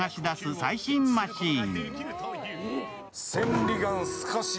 最新マシーン。